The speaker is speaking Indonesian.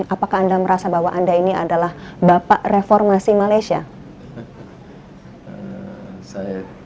apakah anda merasa bahwa anda ini adalah bapak reformasi malaysia